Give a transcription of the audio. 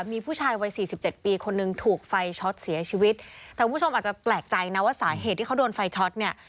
มีผู้ชายวัยสี่สิบเจ็ดปีคนหนึ่งถูกไฟช็อตเสียชีวิตแต่คุณผู้ชมอาจจะแปลกใจนะว่าสาเหตุที่เขาโดนไฟช็อตเนี่ย